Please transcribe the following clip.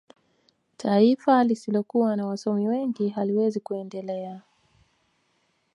taifa lisilokuwa na wasomi wengi haliwezi kuendelea